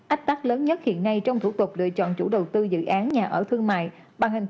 ách tắc lớn nhất hiện nay trong thủ tục lựa chọn chủ đầu tư dự án nhà ở thương mại bằng hình